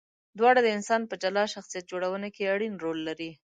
دواړه د انسان په جلا شخصیت جوړونه کې اړین رول لري.